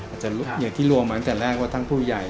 อย่างที่รวมมาตั้งแต่แรกว่าทั้งผู้ใหญ่